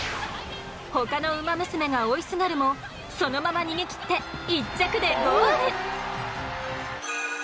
他のウマ娘が追いすがるもそのまま逃げ切って１着でゴール。